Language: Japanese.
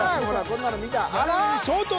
こんなの見たあら？